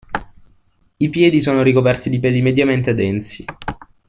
I piedi sono ricoperti di peli mediamente densi.